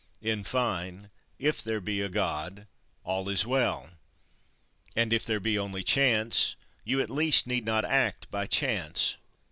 In fine, if there be a God, all is well; and if there be only chance, you at least need not act by chance.